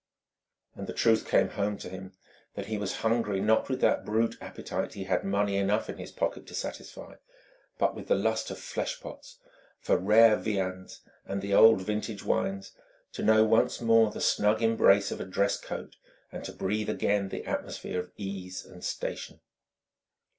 And the truth came home to him, that he was hungry not with that brute appetite he had money enough in his pocket to satisfy, but with the lust of flesh pots, for rare viands and old vintage wines, to know once more the snug embrace of a dress coat and to breathe again the atmosphere of ease and station.